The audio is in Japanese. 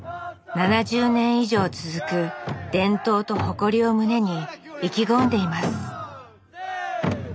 ７０年以上続く伝統と誇りを胸に意気込んでいます